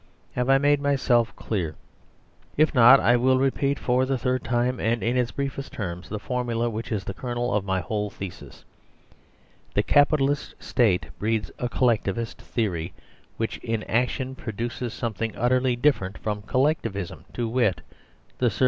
Have I made myself clear ? If not, I will repeat for the third time, and in its briefest terms, the formula which is the kernel of my whole thesis. The Capitalist State breeds a Collectivist Theory which in action produces something utterly different from Collectivism : to wit, the SERVILE STATE.